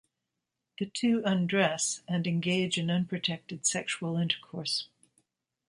The two undress, and engage in unprotected sexual intercourse.